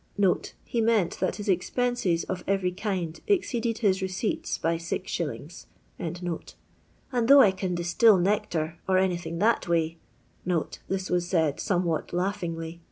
"* [he meant that his ex penses, of eyery kind, exceeded his receipts by Gs.], and though I can distil nectar, or anything that way " [this was said somewhat laughingly!